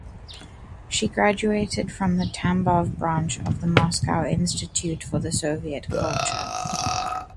She graduated from the Tambov branch of the Moscow Institute for the Soviet Culture.